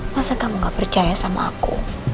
masa kamu gak percaya sama aku